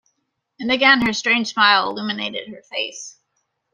And again her strange smile illuminated her face.